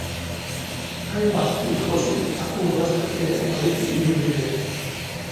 Hainbat ur jauzi eta ur laster ere baditu ibilbidean.